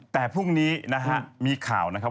แต่พรุ่งนี้นะฮะมีข่าวนะครับ